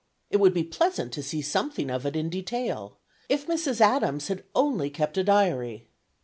It would be pleasant to see something of it in detail; if Mrs. Adams had only kept a diary!